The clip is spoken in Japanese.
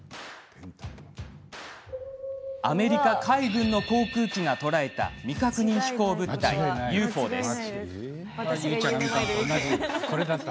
アメリカ海軍の航空機が捉えた未確認飛行物体、ＵＦＯです。